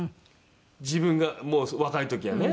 自分がもう若い時はね。